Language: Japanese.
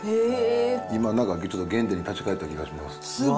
今、原点に立ち返った気がします。